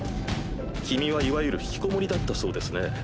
君はいわゆる引きこもりだったそうですね。